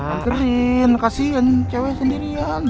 anterin kasihan cewek sendirian